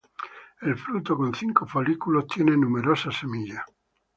El fruto con cinco folículos tiene numerosas semillas.